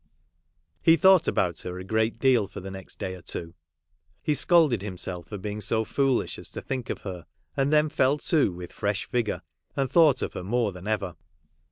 He thought about her a great deal for the next day or two ; he scolded himself for being so foolish as to think of her, and then fell to with fresh vigour, and thought of her more than ever.